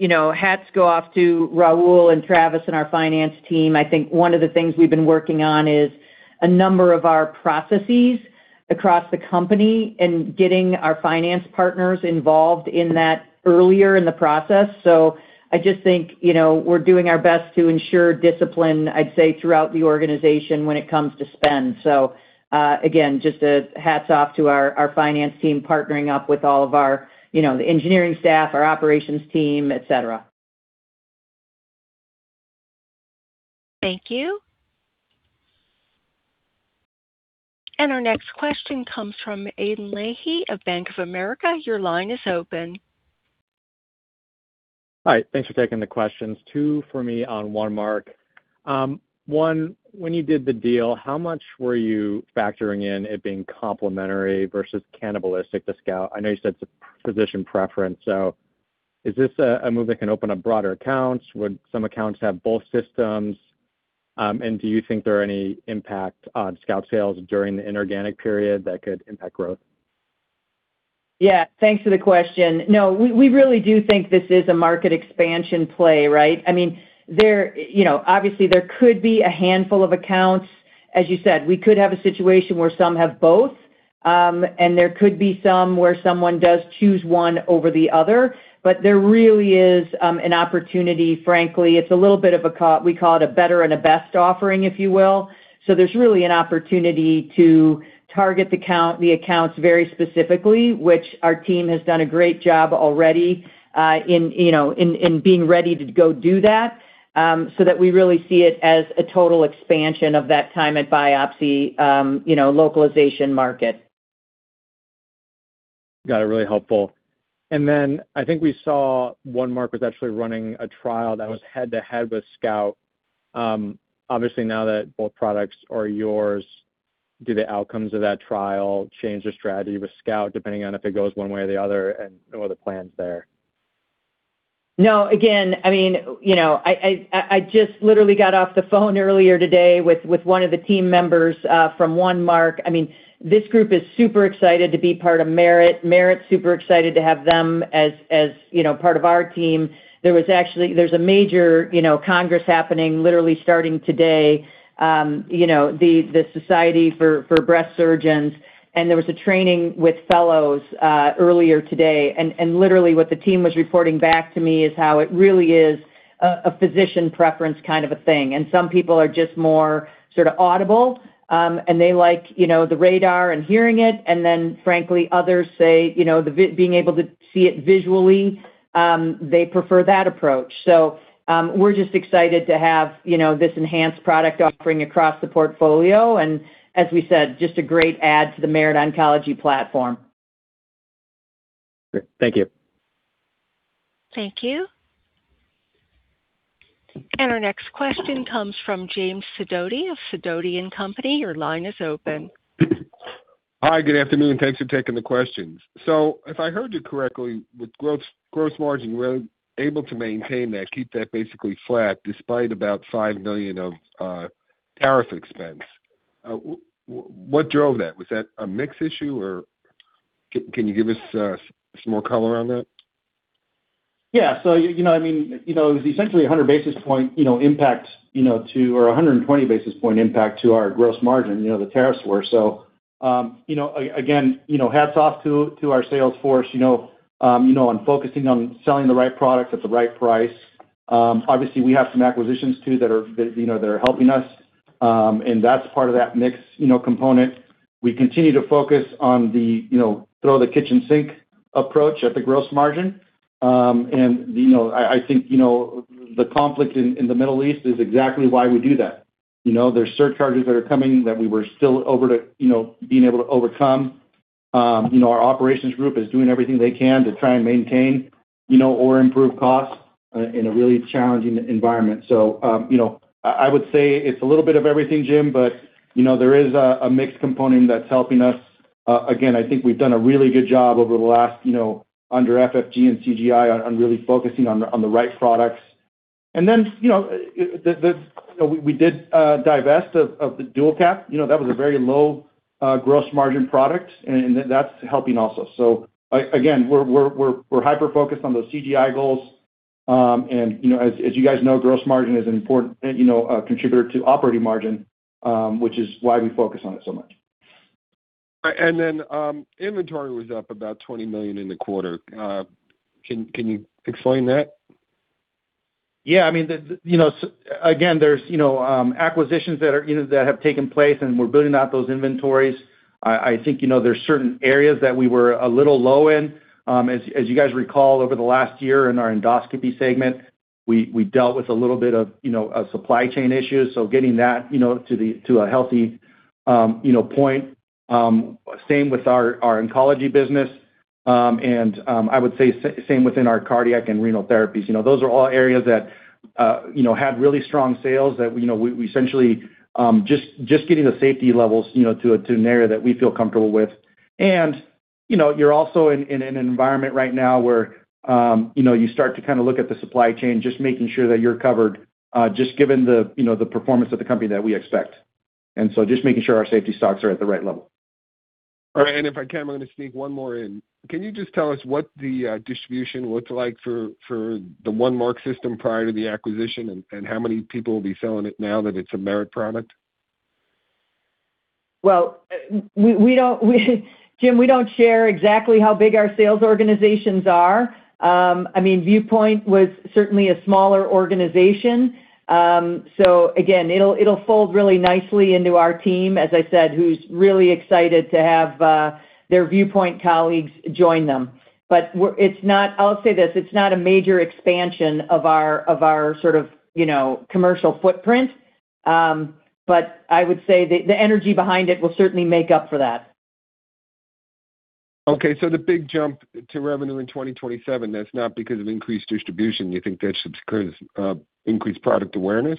you know, hats go off to Raul and Travis and our finance team. I think one of the things we've been working on is a number of our processes across the company and getting our finance partners involved in that earlier in the process. I just think, you know, we're doing our best to ensure discipline, I'd say, throughout the organization when it comes to spend. Again, just a hats off to our finance team partnering up with all of our, you know, the engineering staff, our operations team, et cetera. Thank you. Our next question comes from Aidan Leahy of Bank of America. Your line is open. Hi. Thanks for taking the questions. Two for me on OneMark. When you did the deal, how much were you factoring in it being complementary versus cannibalistic to SCOUT? I know you said it's a physician preference. Is this a move that can open up broader accounts? Would some accounts have both systems? Do you think there are any impact on SCOUT sales during the inorganic period that could impact growth? Yeah. Thanks for the question. We really do think this is a market expansion play, right? I mean, you know, obviously there could be a handful of accounts. As you said, we could have a situation where some have both, there could be some where someone does choose one over the other. There really is an opportunity, frankly. It's a little bit of a we call it a better and a best offering, if you will. There's really an opportunity to target the accounts very specifically, which our team has done a great job already, in, you know, in being ready to go do that, so that we really see it as a total expansion of that time at biopsy, you know, localization market. Got it. Really helpful. Then I think we saw OneMark was actually running a trial that was head-to-head with SCOUT. Obviously, now that both products are yours, do the outcomes of that trial change the strategy with SCOUT, depending on if it goes one way or the other, and what are the plans there? No, again, I mean, you know, I just literally got off the phone earlier today with one of the team members from OneMark. I mean, this group is super excited to be part of Merit. Merit's super excited to have them as, you know, part of our team. There's a major, you know, congress happening literally starting today, you know, the Society for Breast Surgeons, and there was a training with fellows earlier today. Literally what the team was reporting back to me is how it really is a physician preference kind of a thing. Some people are just more sort of audible, and they like, you know, the radar and hearing it, and then frankly, others say, you know, being able to see it visually, they prefer that approach. We're just excited to have, you know, this enhanced product offering across the portfolio and as we said, just a great add to the Merit Oncology platform. Great. Thank you. Thank you. Our next question comes from James Sidoti of Sidoti & Company. Your line is open. Hi, good afternoon. Thanks for taking the questions. If I heard you correctly, with gross margin, you were able to maintain that, keep that basically flat despite about $5 million of tariff expense. What drove that? Was that a mix issue, or can you give us some more color on that? Yeah. It was essentially 100 basis point impact, or 120 basis point impact to our gross margin, the tariffs were. Again, hats off to our sales force on focusing on selling the right product at the right price. Obviously we have some acquisitions too that are helping us, and that's part of that mix component. We continue to focus on the throw the kitchen sink approach at the gross margin. I think the conflict in the Middle East is exactly why we do that. You know, there's surcharges that are coming that we were still over to, you know, being able to overcome. You know, our operations group is doing everything they can to try and maintain, you know, or improve costs in a really challenging environment. You know, I would say it's a little bit of everything, Jim, but, you know, there is a mix component that's helping us. Again, I think we've done a really good job over the last, you know, under FFG and CGI on really focusing on the right products. You know, the, you know, we did divest of the DualCap. You know, that was a very low gross margin product and that's helping also. Again, we're hyper-focused on those CGI goals. You know, as you guys know, gross margin is an important, you know, contributor to operating margin, which is why we focus on it so much. Inventory was up about $20 million in the quarter. Can you explain that? Yeah. I mean, the, you know, again, there's, you know, acquisitions that are, you know, that have taken place, and we're building out those inventories. I think, you know, there's certain areas that we were a little low in. As you guys recall over the last year in our endoscopy segment, we dealt with a little bit of, you know, supply chain issues, so getting that, you know, to a healthy, you know, point. Same with our oncology business. I would say same within our cardiac and renal therapies. You know, those are all areas that, you know, had really strong sales that, you know, we essentially getting the safety levels, you know, to an area that we feel comfortable with. You know, you're also in an environment right now where, you know, you start to kind of look at the supply chain, just making sure that you're covered, just given the, you know, the performance of the company that we expect. Just making sure our safety stocks are at the right level. All right. If I can, I'm gonna sneak one more in. Can you just tell us what the distribution looks like for the OneMark system prior to the acquisition and how many people will be selling it now that it's a Merit product? Well, James, we don't share exactly how big our sales organizations are. I mean, Viewpoint was certainly a smaller organization. So again, it'll fold really nicely into our team, as I said, who's really excited to have their Viewpoint colleagues join them. It's not, I'll say this, it's not a major expansion of our, of our sort of, you know, commercial footprint. I would say the energy behind it will certainly make up for that. Okay, the big jump to revenue in 2027, that's not because of increased distribution. You think that's because of increased product awareness?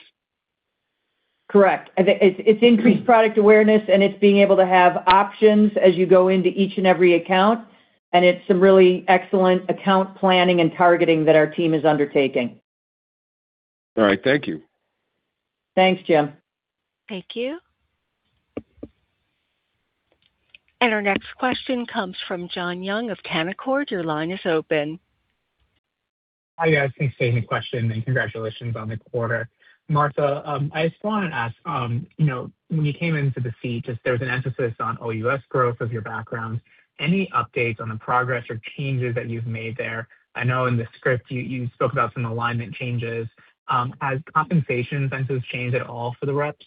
Correct. It's increased product awareness, and it's being able to have options as you go into each and every account, and it's some really excellent account planning and targeting that our team is undertaking. All right. Thank you. Thanks, Jim. Thank you. Our next question comes from John Young of Canaccord. Your line is open. Hi, guys. Thanks for taking the question, and congratulations on the quarter. Martha, I just wanted to ask, you know, when you came into the seat, just there was an emphasis on OUS growth of your background. Any updates on the progress or changes that you've made there? I know in the script you spoke about some alignment changes. Has compensation incentives changed at all for the reps?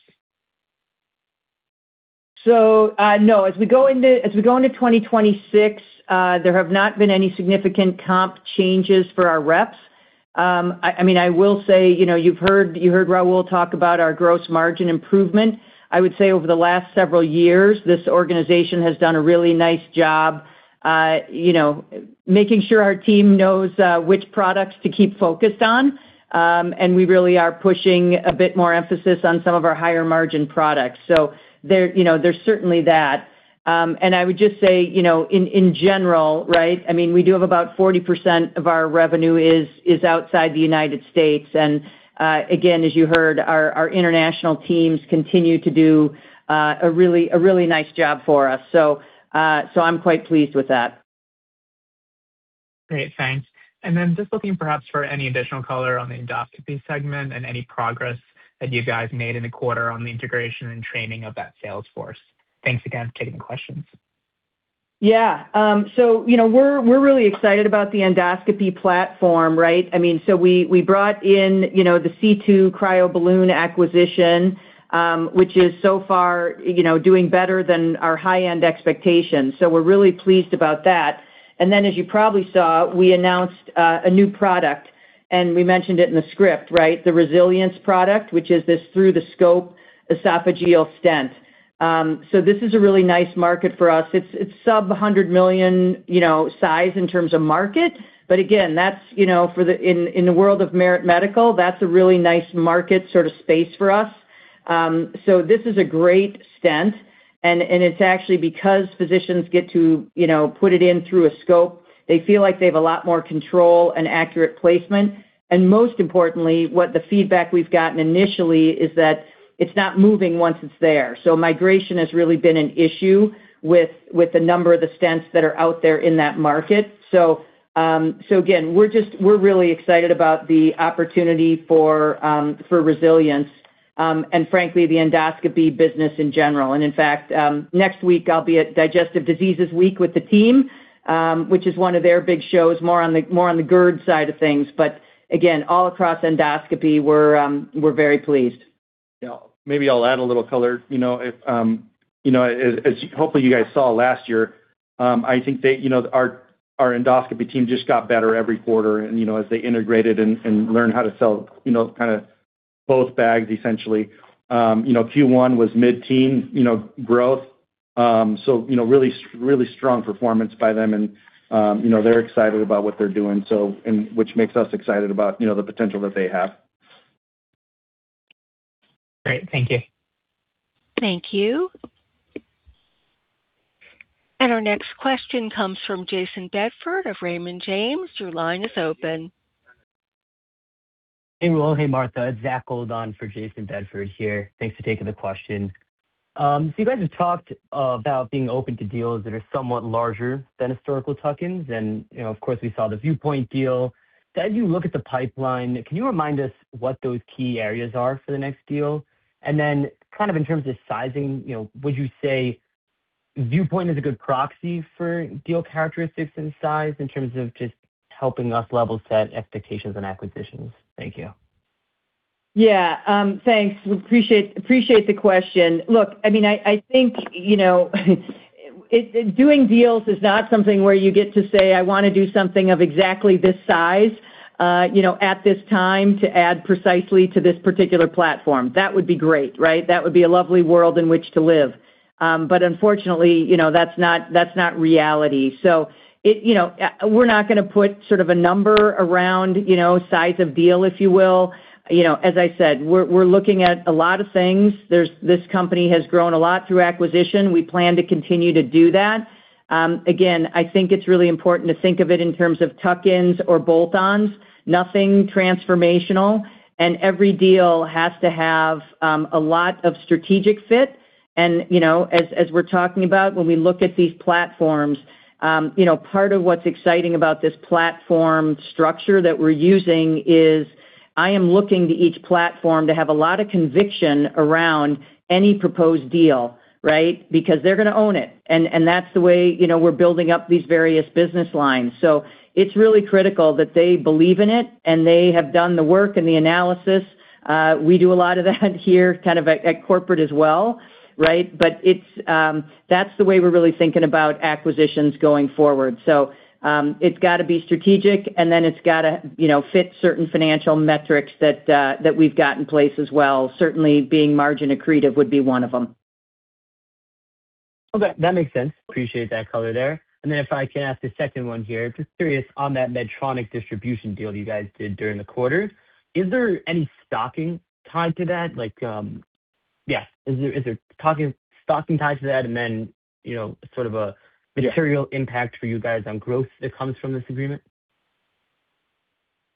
No. As we go into 2026, there have not been any significant comp changes for our reps. I mean, I will say, you know, you've heard Raul talk about our gross margin improvement. I would say over the last several years, this organization has done a really nice job, you know, making sure our team knows which products to keep focused on. We really are pushing a bit more emphasis on some of our higher margin products. There, you know, there's certainly that. I would just say, you know, in general, right? I mean, we do have about 40% of our revenue is outside the U.S. again, as you heard, our international teams continue to do a really nice job for us. so I'm quite pleased with that. Great. Thanks. Then just looking perhaps for any additional color on the endoscopy segment and any progress that you guys made in the quarter on the integration and training of that sales force. Thanks again for taking the questions. Yeah. You know, we're really excited about the endoscopy platform, right? I mean, we brought in, you know, the C2 CryoBalloon acquisition, which is so far, you know, doing better than our high-end expectations. We're really pleased about that. As you probably saw, we announced a new product, and we mentioned it in the script, right? The Resilience product, which is this Through-the-Scope esophageal stent. This is a really nice market for us. It's, it's sub $100 million, you know, size in terms of market. Again, that's, you know, in the world of Merit Medical, that's a really nice market sort of space for us. This is a great stent, and it's actually because physicians get to, you know, put it in through a scope, they feel like they have a lot more control and accurate placement. Most importantly, what the feedback we've gotten initially is that it's not moving once it's there. Migration has really been an issue with the number of the stents that are out there in that market. Again, we're just, we're really excited about the opportunity for Resilience, and frankly, the endoscopy business in general. In fact, next week I'll be at Digestive Disease Week with the team, which is one of their big shows, more on the GERD side of things. Again, all across endoscopy, we're very pleased. Yeah. Maybe I'll add a little color. You know, if, you know, as hopefully you guys saw last year, I think they, you know, our endoscopy team just got better every quarter and, you know, as they integrated and learned how to sell, you know, kinda both bags essentially. You know, Q1 was mid-teen, you know, growth. You know, really strong performance by them and, you know, they're excited about what they're doing, so, and which makes us excited about, you know, the potential that they have. Great. Thank you. Thank you. Our next question comes from Jayson Bedford of Raymond James. Your line is open. Hey, Raul. Hey, Martha. It's Zachary Gold for Jayson Bedford here. Thanks for taking the question. You guys have talked about being open to deals that are somewhat larger than historical tuck-ins. You know, of course, we saw the View Point deal. As you look at the pipeline, can you remind us what those key areas are for the next deal? Kind of in terms of sizing, you know, would you say View Point is a good proxy for deal characteristics and size in terms of just helping us level set expectations on acquisitions? Thank you. Yeah, thanks. We appreciate the question. Look, I mean, I think, you know, doing deals is not something where you get to say, I wanna do something of exactly this size, you know, at this time to add precisely to this particular platform. That would be great, right? That would be a lovely world in which to live. Unfortunately, you know, that's not, that's not reality. You know, we're not gonna put sort of a number around, you know, size of deal, if you will. You know, as I said, we're looking at a lot of things. This company has grown a lot through acquisition. We plan to continue to do that. Again, I think it's really important to think of it in terms of tuck-ins or bolt-ons. Nothing transformational. Every deal has to have a lot of strategic fit. You know, as we're talking about, when we look at these platforms, you know, part of what's exciting about this platform structure that we're using is I am looking to each platform to have a lot of conviction around any proposed deal, right? Because they're gonna own it, and that's the way, you know, we're building up these various business lines. It's really critical that they believe in it, and they have done the work and the analysis. We do a lot of that here kind of at corporate as well, right? That's the way we're really thinking about acquisitions going forward. It's gotta be strategic, and then it's gotta, you know, fit certain financial metrics that we've got in place as well. Certainly, being margin accretive would be one of them. Okay. That makes sense. Appreciate that color there. If I can ask a second one here. Just curious on that Medtronic distribution deal you guys did during the quarter. Is there any stocking tied to that? Like, yeah. Is there stocking tied to that? Yeah material impact for you guys on growth that comes from this agreement?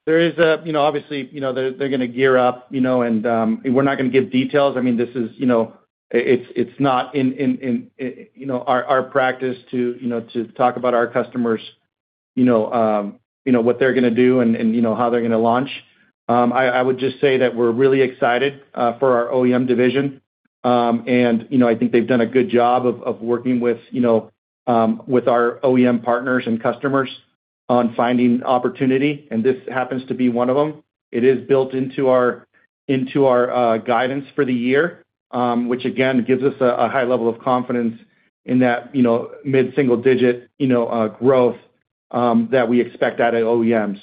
There is a, you know, obviously, you know, they're gonna gear up, you know, and we're not gonna give details. I mean, this is, you know. It's not in, you know, our practice to, you know, to talk about our customers, you know, you know, what they're gonna do and, you know, how they're gonna launch. I would just say that we're really excited for our OEM division. You know, I think they've done a good job of working with, you know, with our OEM partners and customers on finding opportunity, and this happens to be one of them. It is built into our, into our guidance for the year, which again gives us a high level of confidence in that, you know, mid-single-digit, you know, growth that we expect out of OEM.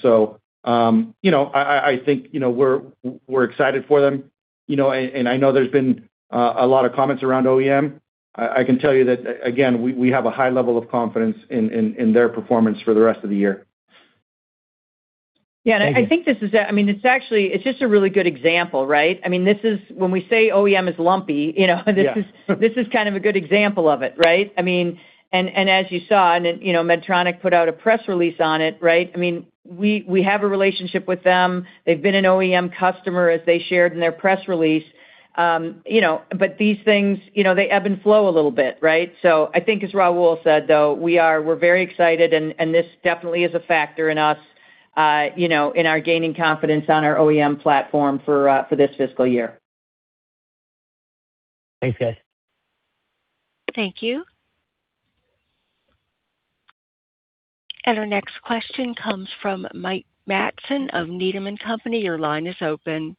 You know, I think, you know, we're excited for them, you know, and I know there's been a lot of comments around OEM. I can tell you that, again, we have a high level of confidence in their performance for the rest of the year. Thank you. Yeah, I mean, it's actually, it's just a really good example, right? I mean, when we say OEM is lumpy, you know, this is. This is kind of a good example of it, right? I mean, as you saw, you know, Medtronic put out a press release on it, right? I mean, we have a relationship with them. They've been an OEM customer, as they shared in their press release. You know, these things, you know, they ebb and flow a little bit, right? I think as Raul said, though, we're very excited and this definitely is a factor in us, you know, in our gaining confidence on our OEM platform for this fiscal year. Thanks, guys. Thank you. Our next question comes from Mike Matson of Needham & Company. Your line is open.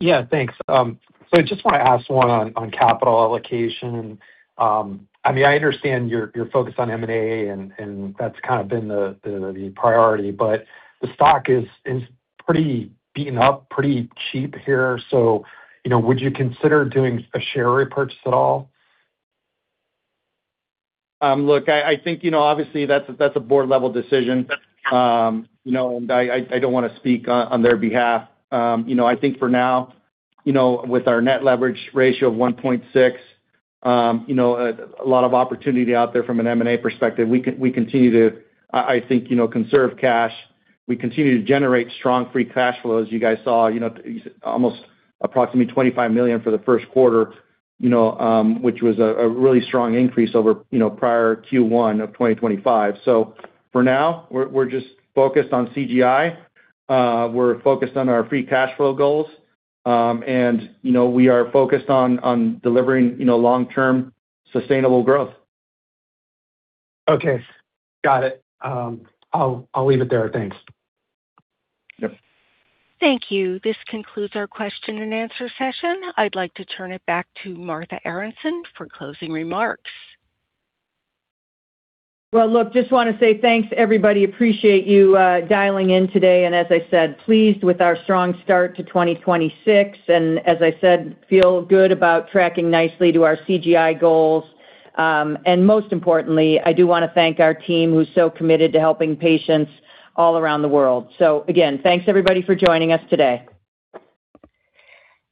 Yeah, thanks. I just want to ask one on capital allocation. I mean, I understand your focus on M&A and that's kind of been the, the priority, but the stock is pretty beaten up, pretty cheap here. You know, would you consider doing a share repurchase at all? Look, I think, you know, obviously that's a, that's a board-level decision. You know, and I, I don't wanna speak on their behalf. You know, I think for now, you know, with our net leverage ratio of 1.6, you know, a lot of opportunity out there from an M&A perspective. We continue to, I think, you know, conserve cash. We continue to generate strong free cash flow. As you guys saw, you know, almost approximately $25 million for the first quarter, you know, which was a really strong increase over, you know, prior Q1 of 2025. For now, we're just focused on CGI. We're focused on our free cash flow goals. You know, we are focused on delivering, you know, long-term sustainable growth. Okay. Got it. I'll leave it there. Thanks. Yep. Thank you. This concludes our question and answer session. I'd like to turn it back to Martha Aronson for closing remarks. Well, look, just wanna say thanks, everybody. Appreciate you dialing in today. As I said, pleased with our strong start to 2026. As I said, feel good about tracking nicely to our CGI goals. Most importantly, I do wanna thank our team who's so committed to helping patients all around the world. Again, thanks everybody for joining us today.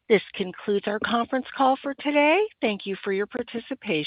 This concludes our conference call for today. Thank you for your participation.